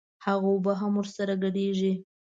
هغه اوبه هم ورسره ګډېږي.